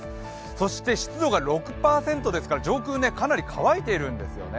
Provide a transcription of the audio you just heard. そして湿度が６％ですから上空かなり乾いているんですよね。